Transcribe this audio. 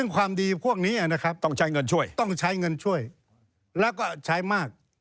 ความดีพวกนี้ต้องใช้เงินช่วยและก็ใช้มาก